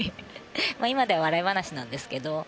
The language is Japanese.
今では笑い話なんですけど。